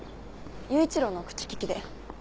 優一郎の口利きで。